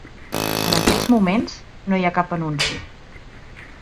En aquests moments, no hi ha cap anunci.